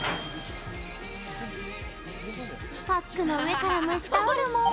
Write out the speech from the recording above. パックの上から蒸しタオルも。